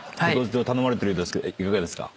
頼まれてるようですけどいかがですか？